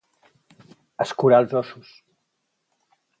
Escurar els ossos.